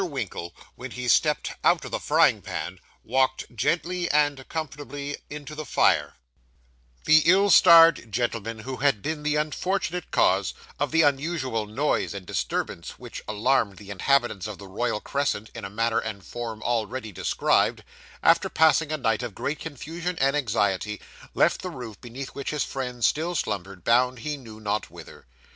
WINKLE, WHEN HE STEPPED OUT OF THE FRYING PAN, WALKED GENTLY AND COMFORTABLY INTO THE FIRE The ill starred gentleman who had been the unfortunate cause of the unusual noise and disturbance which alarmed the inhabitants of the Royal Crescent in manner and form already described, after passing a night of great confusion and anxiety, left the roof beneath which his friends still slumbered, bound he knew not whither.